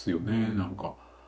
何か。